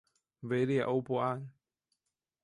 维列欧布安。